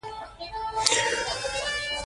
سوله د هېوادونو ترمنځ د صلحې جوړولو یوه اساس ده.